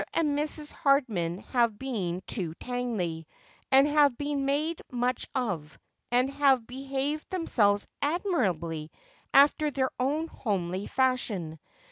and Mrs. Hardman have been to Tangley, and have been made much of, and have behaved themselves admirably after their own homely fadiion.